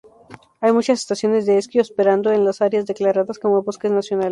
Hay muchas estaciones de esquí operando en las áreas declaradas como bosques nacionales.